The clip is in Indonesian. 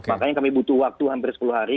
makanya kami butuh waktu hampir sepuluh hari